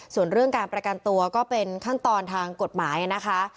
ส่วนเรื่องการประกันตัวก็เป็นขั้นตอนทางกฎหมายนะคะ